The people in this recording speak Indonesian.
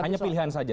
hanya pilihan saja